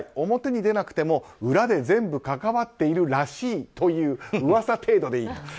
表に出なくても、裏で全部関わっているらしいという噂程度でいい。